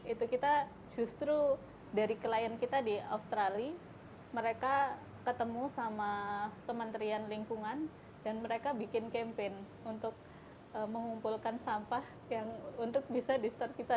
itu kita justru dari klien kita di australia mereka ketemu sama kementerian lingkungan dan mereka bikin campaign untuk mengumpulkan sampah yang untuk bisa di store kita